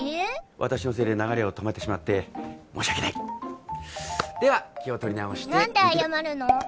私のせいで流れを止めてしまって申し訳ないでは気を取り直して肉何で謝るの？